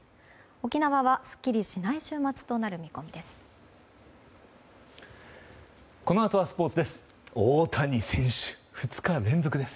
沖縄はすっきりしない週末となる見込みです。